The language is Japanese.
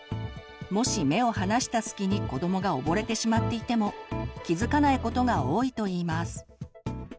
もし目を離した隙に子どもが溺れてしまっていても気付かないことが多いといいます。